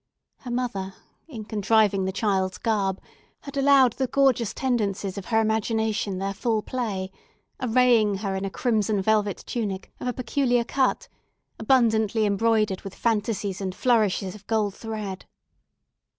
Her mother, in contriving the child's garb, had allowed the gorgeous tendencies of her imagination their full play, arraying her in a crimson velvet tunic of a peculiar cut, abundantly embroidered in fantasies and flourishes of gold thread.